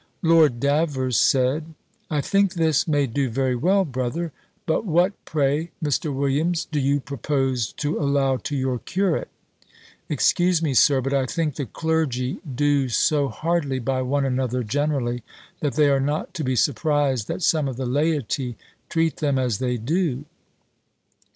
Lord Davers said, "I think this may do very well, brother. But what, pray, Mr. Williams, do you propose to allow to your curate? Excuse me, Sir, but I think the clergy do so hardly by one another generally, that they are not to be surprised that some of the laity treat them as they do."